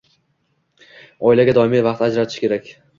Oilaga doimiy vaqt ajratish kerak.